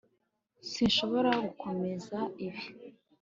Sinshobora gukomeza ibi